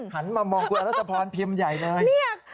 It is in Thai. หันมองนรสภรณ์พิมพ์ใหญ่มั๊ย